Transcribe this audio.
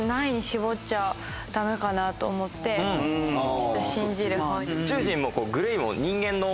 ちょっと信じるほうに。